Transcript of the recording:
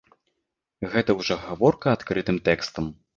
Гэта ўжо гаворка адкрытым тэкстам.